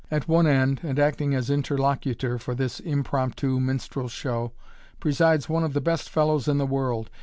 At one end, and acting as interlocutor for this impromptu minstrel show, presides one of the best fellows in the world.